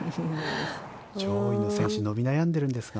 上位の選手伸び悩んでいるんですが。